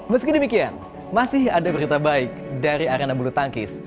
meski demikian masih ada berita baik dari arena bulu tangkis